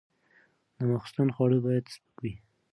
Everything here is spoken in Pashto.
د ماخوستن خواړه باید سپک وي.